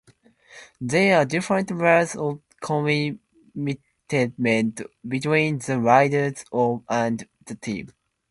There are different levels of commitment between the riders and the team.